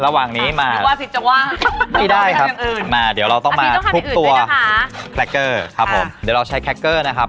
ระหว่างนี้มาไม่ได้ครับมาเดี๋ยวเราต้องมาทุบตัวครับผมเดี๋ยวเราใช้นะครับ